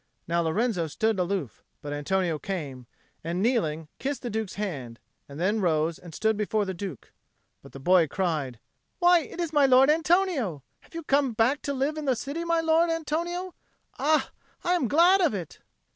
Now Lorenzo stood aloof, but Antonio came, and, kneeling, kissed the Duke's hand, and then rose and stood before the Duke. But the boy cried, "Why, it is my Lord Antonio! Have you come back to live in the city, my Lord Antonio? Ah, I am glad of it!"